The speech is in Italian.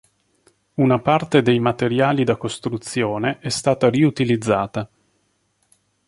Una parte dei materiali da costruzione è stata riutilizzata.